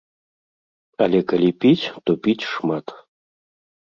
Але калі піць, то піць шмат.